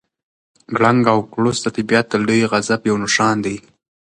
کړنګ او کړوس د طبیعت د لوی غضب یو نښان دی.